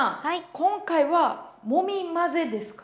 今回は「もみ混ぜ」ですか？